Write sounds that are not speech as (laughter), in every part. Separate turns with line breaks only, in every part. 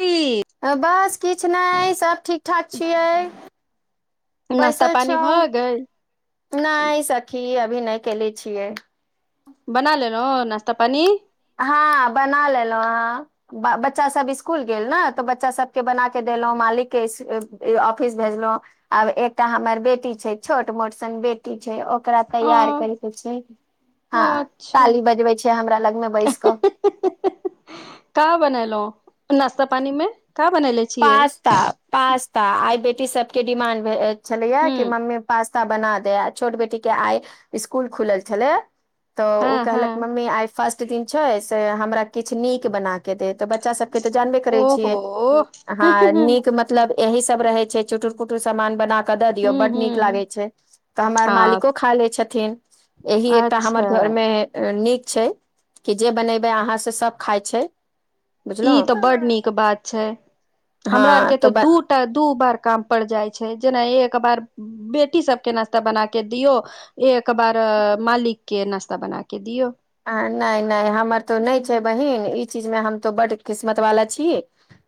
की
बस किछु नहि, सब ठीक ठाक छियै।
नाश्ता
बैसल
पानी
छौं,
भऽ गेल
नहि सखि। भी नहि केले छियै‌
नास्ता पानी।
हँ बना लेलहुँ ह बच्चा सब स्स्कुल गेल ने तऽ बच्चा सबके बना के देलहुँ मालिक के ऑफिस भेजलहु आब एकटा हमर बेटी छै छोट मोट सन बेटी छै। ओरा
ओ
तैयार कर के छै ह
अच्छा
ताली बजबे छै हमरा लग मेै। का (unintelligible)
बनेलहुं, नाश्ता पानी मे। का बनले छियै
पास्ता, पास्ता आइ कि सबके डिमांडमे अछि। छलैये
हू
कि मम्मी पास ता बना दे, छोट बेटी के आइ स्कुल खुलल छलै। त ओ
हँ हँ
कहलक मम्मी आइ फर्स्ट दिन छै से हमरा किछु नीक बना के देब। त बच्चा सबके त जानबे करै
ओहो
छियै। हां
हूँ
नीक मतलब। यही सब रहे छै चुटुर कुटुर सामान बनाक क द दिय बड निक
हूँ
लगै छै, त हमर
हँ
मालिको खा लै छथिन। थिन। एहि एकटा हमर
अच्छा
घर मे नीक छै कि जे बनेबै अहाँ से सब खाय छै।
ई त
बुझलहुँ
बड नीक बात छै। हमरा
हँ
आरके
तऽ
त
ब-
दुटा दू बार काम पड़ जाय छै जेना एक बार बेटी सब के नाश्ता बना के दियौ, एक बार मालिक के नाास्ता बना के दियौ।
आ नै नै हमर त नै छै बहिन इ चीज मे हम त बड किस्मत वाला छी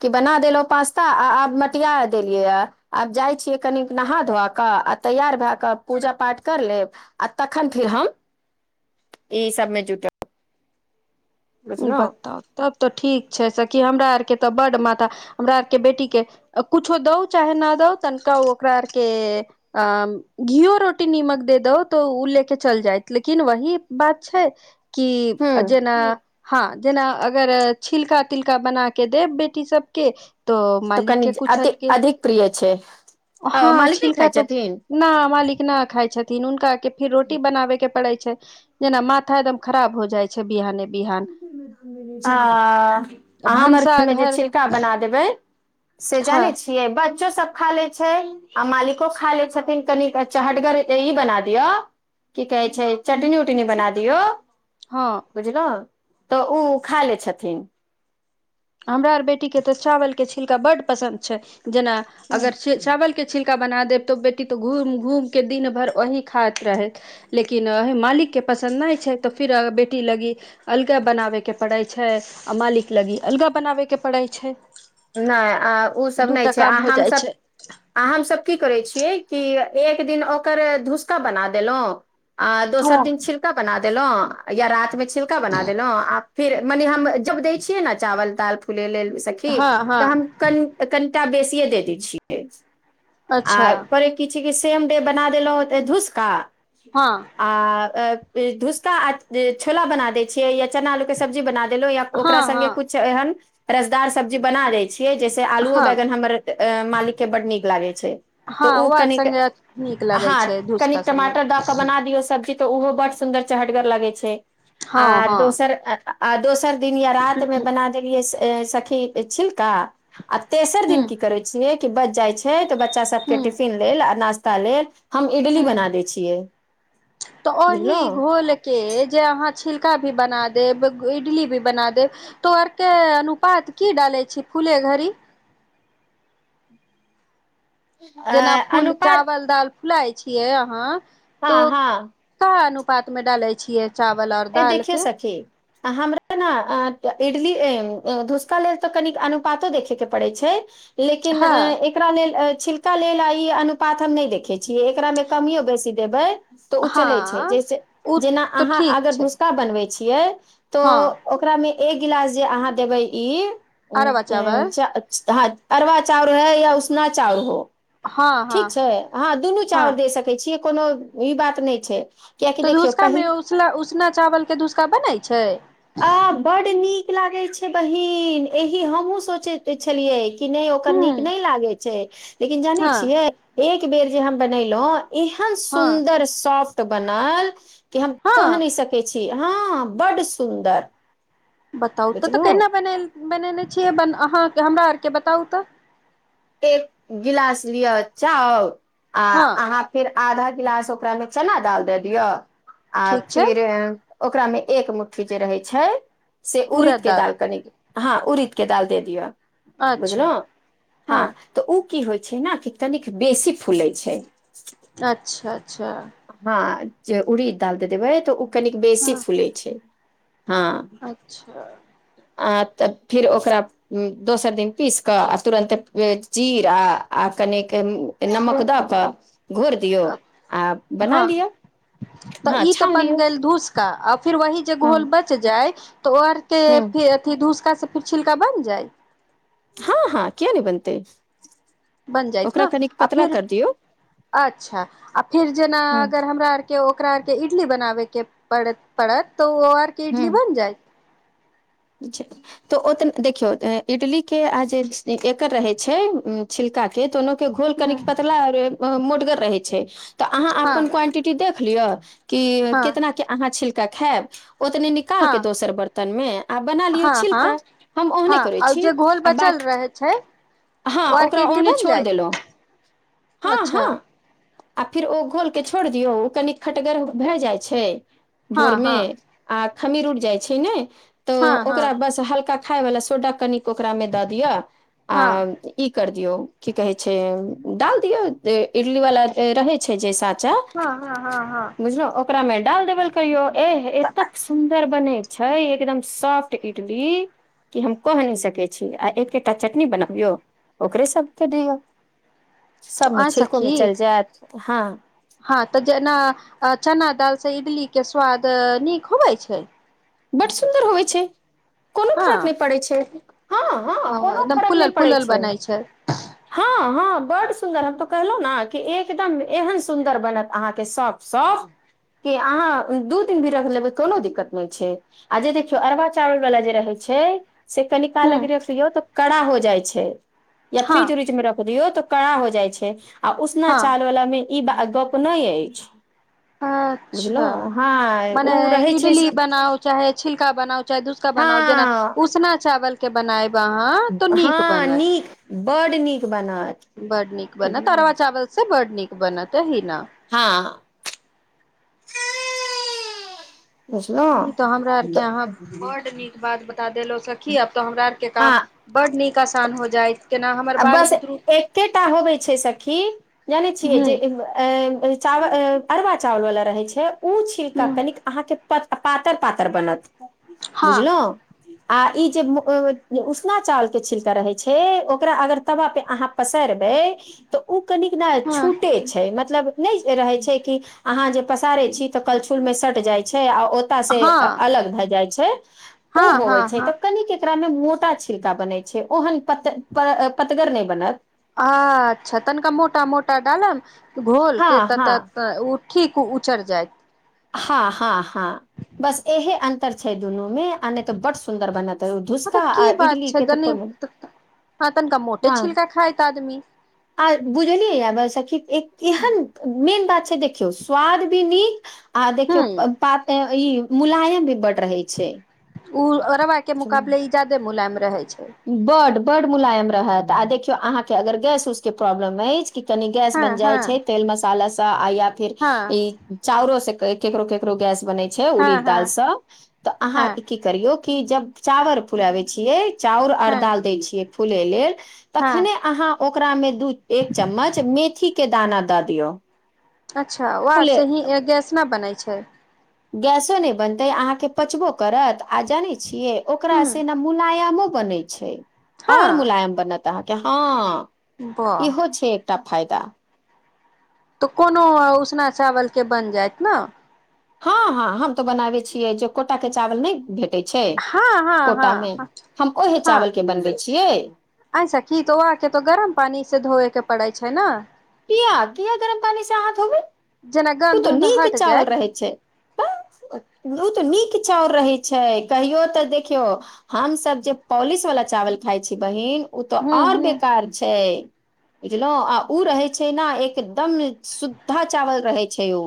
कि बना देलहुं पास्ता आ आब मटिया देलियै ये आब जाइ छियै कनि नहा धोआ क आ तैयार भए के पुजा पाठ कर लेब आ तखन फिर हम इ सबमे जुटब बुझलहु
बताउ, तब त ठीक छै सखि, हमरा आर के के त बड माथा हमरा आर के बेटी के कुछो दऊ चाहे न दउ तनिका ओकरा आर के घीओ रोटी नीमक द दौ त ओ ले के चल जायत लेकिन वही बात छै कि
ह
जेना हां जेना अगर छिलका तिलका बना के देब बेटी सबके त
तऽ
मालिक के
कनि
कुछ
अति
हलके,
अधिक प्रिय छै आ
हां
मालिक नहि
छिलका
खाइ
त
छथिन
न मालिक न खाय छथि। हुनका के फेर रोटी बनाबे के पड़े छै, जेना माथा एकदम खराब हो जाइ छै, बिहान- बिान
अहाँ हमर
भनसा
घरमे जे
घर
छिलका बना देबै, से जानै
हँ
छियै बच्चो सब खा ले छै, आ मालिको खा ले छथिन, कनिन चहटगर ई बना दियऔ, की कहै छै, चटनी उटनी बना दियौ।
हँ
बुझल। त ओ खा लै छथिन।
हमरा आर बेटीके त चावलके छिलका बड पसन्द छै। जेना अगर चावलके छिल ल्का बना देब तऽ बेटी तऽ घूम घूमके दिन भरि वही खाइत रहैत, लेकिन मालिकके पसन्द नहि छै, तऽ फिर बेटी लागी अलगा बनाबैके पड़ै छै, आ मालिक लागी अलगा बनाबैके पड़ैत छै।
नहि आ ओसभ नहि
दूटा
छै,
काम
आ
हो जाइ
हमसभ
छै
आ हमसभ की करै छियै। कि एक दिन ओकर धूसका बना देलहुँ। आ दोसर
हँ
दिन छिरका बना द देलहुँ, या रातमे छिलका बना देलो आ फिर मने हम जब दै छियै ने, चावल दाल फूलै लेल, विशाखी।
हँ हँ
तऽ हम क क। टा बेसिय दे दी छिय।
अच्छा
आप कि। सेम डे बना देलहुे धूसका।
हँ
आ। भूसका छोला बना देय छियै, या चना आलू के सब्जी बना दे दहु या
हँ
ओकरा
हँ
सङ्गे कछु एहन। रसदार सब्जी बना दे छीये जैसे आलुओ
हँ
बैगन हमर मालिक के बड नीक लागे छै। तऽ
हँ ओ आर
कनिक
सङ्गे नीक लगै
हँ
छै, भूसका सङ्गे।
ी तऽ ओहो बड सुन्दर चहटगर लागै छै।
हँ
आ
हँ
दोसर! 'आ दोसर' दिन या रात में बना देलियै से? सखी छी। आ तेसर
हूँ
दिन की करै छियै? बच जाइ छै तऽ! बच्चा सबके
हूँ
टफिन लेल आ नाा। काले। हम इडली
हूँ
बना दै छियै।
तऽ ओहि
बुझलहु
घोल के जे अहाँ! छिलका भी बना देब, इडली भी बना देब, तो आरके अनुपात की डालै छी, फूले घड़ी?
अ
जेना फूल
अनुपात
चावल दाल। खुलाइ छियै अहाँ।
हँ
त
हँ
कहनु। पातमे डालैत छियै। चावल आऔर
ए
दाल
देखियौ
के।
सखी हमरा ने इडली धूसका लेल तऽ कन अनुपातो देखयके पड़ैत छै। लेकिन
हँ
एकरा लेल। छिलका लेल आ ई अनुपात हम नहि देखै छियै एकरामे कमियो बेसी देबै। तऽ ओ
हँ
चलै छै जैसे
ओ
जेना
तऽ
अहाँ।
ठीक
अगर
छै
भूसका बनब छै। यै। तो
हँ
ओकरामे। एक गिलास जे अहाँ देबै ई। ओ।
अरबा चावल
अरवा चाउर है या उसना चाउर हो।
हँ हँ
ठीक छै अहाँ दुनू
हँ
चाउर दे सकैत छियै। कोनो ई बात नहि छै। कियकि
तऽ
देखियौ पहिल
धूसकामे उसना उसना चावलके धूसका बनै छै।
आ ब् नीक ल। छै बहिन एहि हमहुँ सोचे छलियै। कि नहि ओकर
हूँ
नीक नहि लागे छै लेकिन जानै
हँ
छियै एक‌। एक बेर जे हम बनेलहुँ। एहन
हँ
सुन्दर शॉप। तऽ बनााल। क हम क
हँ
नहि सकै छीिय। हँ बड्ड। सुन्दर।
बताउ तऽ तऽ केना बने। बनेने छियै अहाँ हमरा आरके बताउ तऽ।
एक गिलास लिअ चाउ। आ
हँ
अहाँ फिर। आधा गिलास ओकरा मे चना दाल द दियअ। आ
ठीक छै
फिर। ओकरा मे एक मुठ्ठी जे रहै छै। से उड़द के दाल करनेगे। हँ उड़ीदके दाल दे दियौ।
अच्छा।
बुझलहुँ हँ तऽ ओ। ओ की होइ छै ने कि कनिक बेसी फूलै छै।
अच्छा अच्छा।
हँ जे उड़ी डाल देबै तऽ। कनिक बेसी
हँ
फूलै छै। हँ
अच्छा।
आ तब फिर ओकरा दोसर दिन पीस कऽ आ तुरन्त। चीर आ आ कनेिक नमक दऽ कऽ। घोर दियौ आ बना
हँ
लिअ।
तऽ
हँ
ई तऽ
छान
बनि
लियौ
गेल धूस। क अप। फिर वही जे
हँ
घोल बच जाय। तऽ और के
हँ
फर अथिी दूसका से। फर छिलका बन जाइ।
हँ हँ क्य न बनते।
बन जायत ने आ फेर
दियौ
अच्छा आ फेर जेना
हँ
अगर हमरा आर। के ओकरा के इडली बनाबे के पड़त पड़त। त ओ आर क इडल
हँ
बन जाइ।
तऽ ओत देखियौ इडलीे आ जे एकर रहै छै छिलकाे तऽ। के घोल
हँ
कनिक पतला आर मो। रहै छै। तऽ अहाँ
हँ
अपन क्वाानटिटी देख। कहलियअ। क
हँ
केितना के अहाँ छ। ा खैब। ओतनी निकाल के
हँ
दोसर बर्तन मे। बना
हँ हँ
लिया हम ओ
हँ
करै
आ
छी
जे घोल
आ
बचल रहै छै
ह ओकरा
आरके इडली
ओ
बनि
छो
जायत
देलहुँ
अच्छा
ह। आ फेर ओ गोलके छोड़ दियौ ओ कनि खटगर भए जाइ छै।
हँ
बरमे
हँ
आ। खमीर उठ जाइ छै ने। तऽ
हँ हँ
ओकरा बस हल्का। खायवला सोडा कनि। ओकरा मे द द।
हँ
डाल दिया की कहे छै ाल दियौ इडली वाला रहै छै जे साथ।
हँ हँ हँ हँ
ब ओ। डाल देबल कहियौ। ए एतेक सुन्दर बने छै एकदम। सॉफ्ट इडली कि हम कहि नहि सकै छी आ एकेटा चटनी बनाबियौ ओकरे सबके दियौ।
तऽ
सबमे
आ
छिलको में
सखी
चलि जायत। हँ।
हँ तऽ जेना चना दाल से इडली के स्वाद नीक होबै छै।
बड सुन्दर होइ छै। कोनो
हँ
फर्क नहि पड़ैत छै। हँ हँ कोनो
एकदम
फरक नहि
फूलल
पड़ै
फूलल
छै
बनै
हँ हँ। बड्ड सुंन्दर हम तो कहलहु ने कि एकदम एहन सुन्दर बनत अहाँ के सबफ शॉफ क अहाँ दू दिन भी रख लेबै कोनो दिक्कत नहि छै। आ जे देखियौ अरवा चावल वाला जे रहै छै। से कनिकाल
हूँ
लगी रख दियो तऽ कड़ा हो जाइ छै या फ्रिज
हँ
उ्रिज में रख दियो तऽ। कड़ा हो जाइ छै। आ उसना
हँ
चालवलामे। ई बात गप नहि अछि।
अच्छा
बुझलहु हँ
मने
ओ रहै छै
इडली बनाउ चाहे। छिलका बनाउ चाहे दूसक बनाउ जेना
हँ
उसना अच्छा। चावल के बनाए भ। वहाँ तो नीक बनत।
बड् नीक। बनत
बड्ड नीक बन तरवा चावल से बड नीक। बनतै ही न।
हँ (unintelligible)
ई तो हमरा आर
बुझलहुँ
के
तऽ
यहाँ बड नीक बात बता देलो सखी, आब तऽ हमरा आर के
हँ
काम बड नीक! आसान हो जाए।
आ बस एकेटा होबे छै सखी, जानै छियै
हूं
जे चावल अरवा चावल वालला रहै छै। ओ छविका
हूं
कनिक अहाँके। प पातर पातर बनत।
हँ
बुझल! आ ई जे उसना चावल के छिलक रहे छै! ओकरा अगर अहा तबा पर पसारबै, त उ कनिक ने
हँ
छूटे छै, मतलब! नहि रहे छै कि? अहाँ जे पसारे छी तऽ कलछुल में सट जाय छै। आ ओत से
हँ
अलग भए जाय छै। से! ओ
हँ
होइ
हँ
छै, तऽ
हँ
कनिक! एकरा मे मोटा छड़का बनै छै, ओहन प प पतगर नहि बनत।
ह अच्छा तनिका मो मोटा मोटा डालाम। घोल
हँ
के त
हँ
त उ ठीक ओ उचड़ जायइत।
हँ हँ हँ बस इहे अंतर छै दुनू में, आ नहि तऽ बड सुन्दर बनत।
हँ
धुसका
तऽ
आ
की बात
इडली के तऽ
छैनी,
कोनो
ह तनिका मोटे
हँ
छिलका खात आदमी।
आ बुझलियै य ब सखी, एहन मेन बात छै, देखियौ स्वाद भी नीक। आ
हूं
देखियौ पात ई! मुलायम भी बढ़ रहै छै।
ओ। के मुकाबबे इजादे मुलायम। रहै छै।
बड बड मुलायम रहत, आ देख केओ अहाँके अगर गैस उस के प्रॉब्लम अछि? क कनि गैस
हँ
बन
हँ
जाइ छै, तेल मसाला सऽ आयत।
हँ
ई चाउरस केकरो केकर करो गैस बनै छै उड़ी
हँ
दाल
हँ
सअ, तऽ अहाँ
हँ
की करियौ! की, जब चावर फुलावे छियै। चाउर आर
हँ
दालि दै छियै। फुल एल।
हँ
तखने अहाँ। ओकरा मे दू एक चम्मच मेथी के दाना दऽ दियौ।
अच्छा वर
खुले
से ही गैस न बनाई? अ छै।
गैसो नहि बनतै, अहाँके पचबो करत, आ जानैत छी? छिय, ओकरा
हूँ
से न मुलायम बनै छै। आओर
हँ
मुलायम बनत। तऽ अहाँके हँ!
वाह
इहो छै एकटा! फायदा।
तऽ कोनो उसना चावलके बनि जायत ने।
हँ हँ हम तोऽ बनाबे छियै, जे कोटा के चावल नहि भेट
हँ हँ हँ ह
हम ओहे
हँ
चावल के बनबै छियै
ऐसा की तो आके तो गरम पानी से धोएके। पड़ै छै ने?
किया- किया गरम पानी से हा धोबै?
जेना
ओ
गन्ध
तो
उन्ध
नीक
हट
चावल
जायत
रहै छै, ओ तऽ नीक कि चाउर रहै छै, कहियो तऽ देखियौ हमस जे पॉलिश वालला चावल खाइ छी, बहिन! ओ तऽ
हूँ
आओर
हूँ
बेकार छै। बुझलहु, आ ओ रहै छै। छै ने एकदम सुद्धा चावल रहै छै। अ छैौ।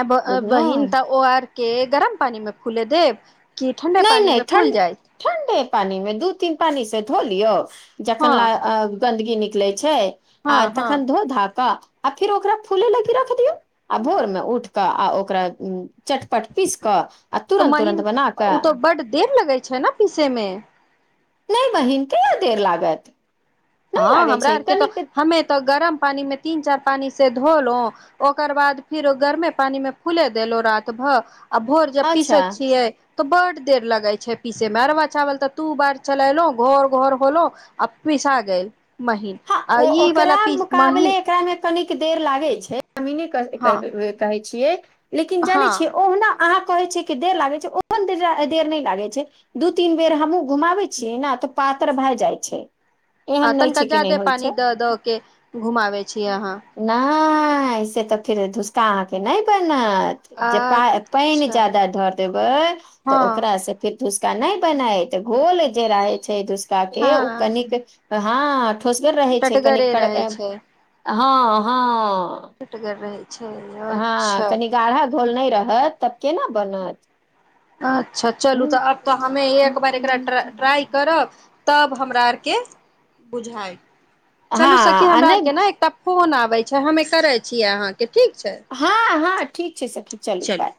आ बहिन तऽ ओ आर! के गरम पानि मे फुले देब? कि ठण्डे
नहि
पानी
-नहि
मे फूल
ठणड
जायत
ठण्डे। पानी मे दू तीन पानी से धो लियौ। जखन
हँ
ल अ गन्दगी निकलै छै। छै आ
हँ हँ
तखन धो धाका! आ फेर ओकरा फूले लागी रख दियौ, आ भोर मे उठ कऽ आ ओकरा चटपट पीस कऽ! अतूर
तऽ
अतुरर
महीन
अ ब ने।
ओ तऽ बड देर लगै छै। छै ने पीसे मे।
नहि बहीन की य देर लागैत।
हँ हमरा आरके तऽ, हमे तऽ गरम पानी मे तीन चार पानी से धोलहु, ओकर बाद फिर गरमे पानी मे फूले देलो रातति भर। आ भोर जब
अच्छा
पीसैत छियै। तऽ बड देर लगे छै, पीसे में अरबा चावल तऽ तू बार चलेलों घर -घर होलों आ पीसा (unintelligible)
हँ ओ ओकरा
महीन
मुकाबले एकरा मे कनिक देर लागे छै। जमीने
हँ
कहै छियै लेकिन
हँ
जानै छियै ओहना। अहाँ कहे छियै कि देर लागे छै ओहन देर नहि लागे छै दू तीन बेर हमूँ घुमाबे छियै ने तऽ पात्र भए जाइ छै। एहन नहि छै। कि नहि
जाादे
होइ
पानी
छै
द द के घुमाबे छीिय अहाँ।
नहि तऽ फेर धुसका अहाँ के नहि। पान
अच्छा
जााद धर देबै तऽ
हँ
ओकासँ फर। दुसका नहि बना हत गोल जे रहै छै। क के ओ
हँ
कनििक। ऽ हँ। खोसगर रहै छै कनि।
टटगरे रहै छै
हँ- हँ।
टटगर रहै छै
हँ
अच्छा
कनि गाढ़ा घोल नहि रहत तऽ। केना बनत।
अच्छा चलू तऽ
हूँ,
आब तऽ हमे एक बार एकरा ट्राइ करब। तब हमरा आरके बुझाइ। चलू सखी
हँ आ
हमरा
नहि
आरके ने एकटा। फोन आबे छै हमे करे छियै अहाँके। ठीक छै
हँ हँ ठीक छै सखी चलू बाय।